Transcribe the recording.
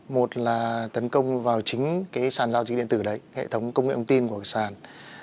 một là tấn công vào chính sàn giao dịch điện tử hệ thống công nghệ ông tin của sàn